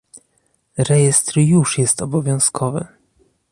Rejestr już jest obowiązkowy